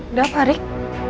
udah apa rik